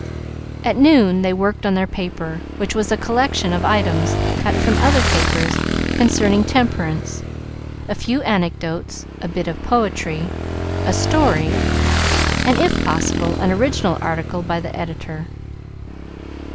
At noon they worked on their paper, which was a collection of items, cut from other papers, concerning temperance, a few anecdotes, a bit of poetry, a story, and, if possible, an original article by the editor.